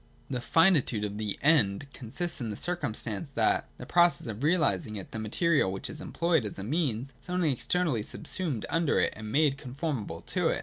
This finitude of the End consists in the circumstance, that, in the process of realising it, the material, which is employed as a means, is only externally subsumed under it and made conformable to it.